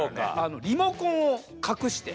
リモコンを隠して。